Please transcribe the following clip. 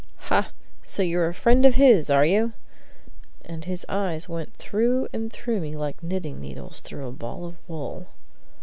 "Ha! So you're a friend of his, are you?" And his eyes went through and through me like knitting needles through a ball of wool.